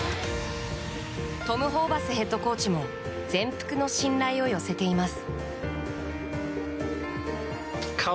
トム・ホーバスヘッドコーチも全幅の信頼を寄せています。